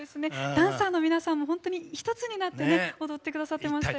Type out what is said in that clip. ダンサーの皆さんも本当に一つになって踊ってくださってましたよね。